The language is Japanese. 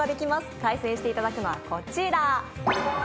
対戦していただくのはこちら。